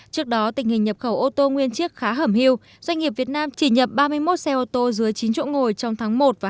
trước đó tình hình nhập khẩu ô tô nguyên chiếc khá hẩm hưu doanh nghiệp việt nam chỉ nhập ba mươi một xe ô tô dưới chín chỗ ngồi trong tháng một và hai